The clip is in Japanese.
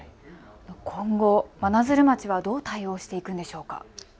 今後、真鶴町はどう対応していくのでしょうか。